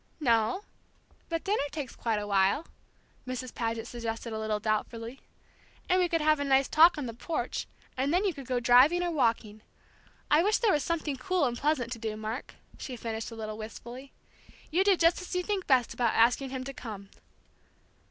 "No, but dinner takes quite a while," Mrs. Paget suggested a little doubtfully; "and we could have a nice talk on the porch, and then you could go driving or walking. I wish there was something cool and pleasant to do, Mark," she finished a little wistfully. "You do just as you think best about asking him to come."